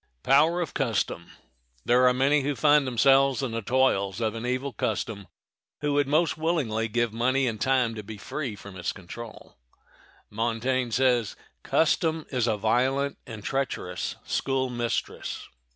] There are many who find themselves in the toils of an evil custom who would most willingly give money and time to be free from its control. Montaigne says, "Custom is a violent and treacherous school mistress.